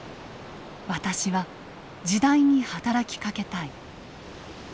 「私は時代に働きかけたい」。